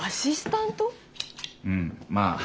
うんまあ